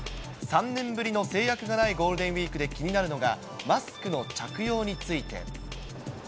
３年ぶりの制約がないゴールデンウィークで気になるのが、マスクの着用について。